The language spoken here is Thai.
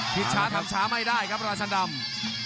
ทิ้งช้าต่ำช้าไม่ได้ครับราชดำ